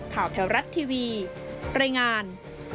แถวรัฐทีวีรายงาน